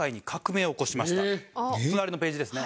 隣のページですね。